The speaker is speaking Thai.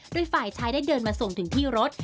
โดยฝ่ายชายได้เดินมาส่งถึงที่รถ